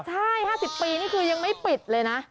ใช่๕๐ปีนี่คือยังไม่ปิดเลยนะ